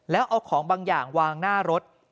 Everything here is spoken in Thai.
แล้วเอาของบางอย่างวางหน้ารถ